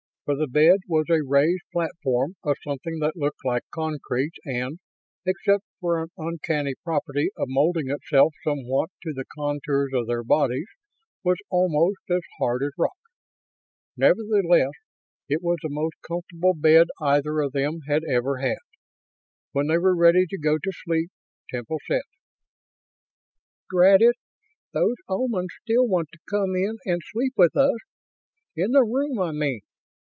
For the bed was a raised platform of something that looked like concrete and, except for an uncanny property of molding itself somewhat to the contours of their bodies, was almost as hard as rock. Nevertheless, it was the most comfortable bed either of them had ever had. When they were ready to go to sleep, Temple said: "Drat it, those Omans still want to come in and sleep with us. In the room, I mean.